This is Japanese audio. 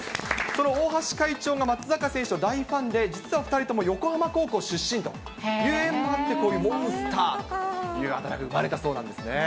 その大橋会長が松坂選手の大ファンで、実は２人とも横浜高校出身という縁もあって、モンスターというあだ名が生まれたそうなんですね。